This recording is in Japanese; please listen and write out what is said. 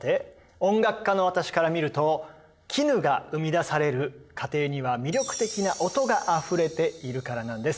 音楽家の私から見ると絹が生み出される過程には魅力的な音があふれているからなんです。